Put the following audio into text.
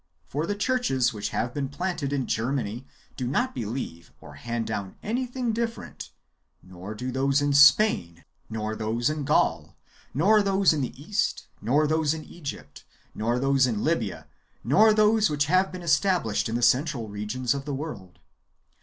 For the churches which have been planted in Germany do not believe or hand down anything different, nor do those in Spain, nor those in Gaul, nor those in the East, nor those in Egypt, nor those in Libya, nor those which have been established in the central regions^ of the world.